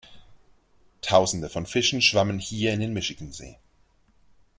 Tausende von Fischen schwammen hier in den Michigansee.